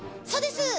そうです。